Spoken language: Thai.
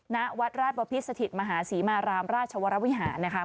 นาวัดราชประพฤติสถิตมหาศรีมารามราชวรรมวิหารนะคะ